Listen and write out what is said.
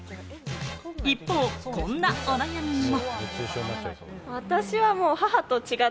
一方、こんなお悩みも。